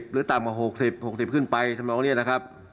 ๖๐หรือต่ำกว่า๖๐๖๐ขึ้นไปสำหรับของเรียนนะครับ